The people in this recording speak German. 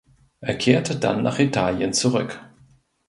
Er kehrte dann nach Italien zurück.